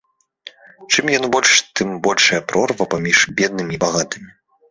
Чым ён большы, тым большая прорва паміж беднымі і багатымі.